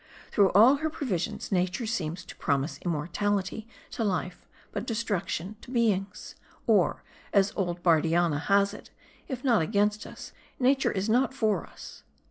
Through all her provinces, nature seems to promise immortality to life, but destruction to beings. Or, as old Bardianna has it, if not against us. nature is not for us."